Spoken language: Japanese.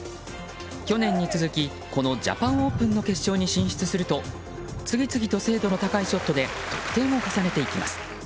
去年に続きこのジャパンオープンの決勝に進出すると次々と精度の高いショットで得点を重ねていきます。